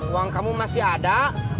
uang kamu masih ada